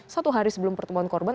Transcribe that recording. satu hari sebelum pertemuan korban